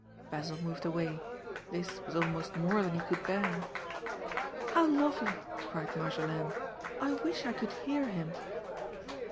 Basil moved away. This was almost more than he could bear. "How lovely!" cried Marjolaine. "I wish I could hear him!"